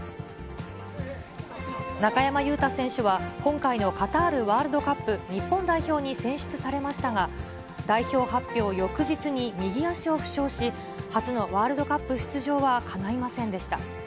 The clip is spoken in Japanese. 中山雄太選手は、今回のカタールワールドカップ日本代表に選出されましたが、代表発表翌日に右足を負傷し、初のワールドカップ出場はかないませんでした。